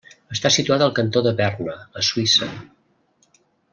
Està situat al cantó de Berna, a Suïssa.